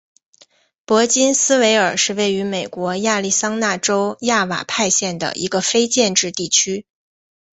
珀金斯维尔是位于美国亚利桑那州亚瓦派县的一个非建制地区。